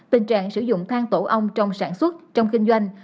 tình trạng sử dụng thang tổ ong trong sản xuất trong kinh doanh